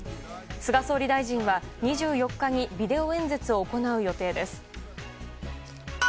菅総理大臣は２４日にビデオ演説を行う予定です。